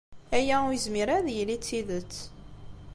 Aya ur yezmir ara ad yili d tidet.